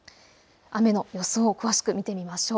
雨の予想を詳しく見てみましょう。